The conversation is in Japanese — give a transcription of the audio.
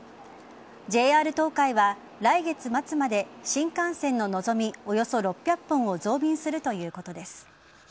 ＪＲ東海は来月末まで新幹線ののぞみおよそ６００本を増便するということです。